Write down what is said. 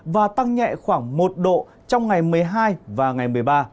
và tăng nhẹ khoảng một độ trong ngày một mươi hai và ngày một mươi ba